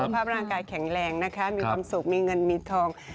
ภาพร่างกายแข็งแรงนะคะมีความสุขมีเงินมีทอง